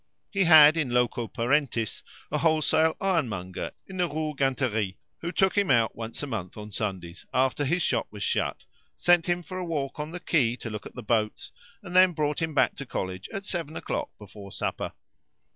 He had in loco parentis a wholesale ironmonger in the Rue Ganterie, who took him out once a month on Sundays after his shop was shut, sent him for a walk on the quay to look at the boats, and then brought him back to college at seven o'clock before supper.